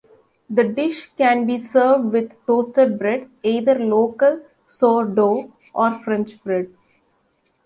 The dish can be served with toasted bread, either local sourdough or French bread.